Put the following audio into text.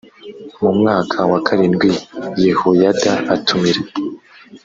mu mwaka wa karindwi yehoyada atumira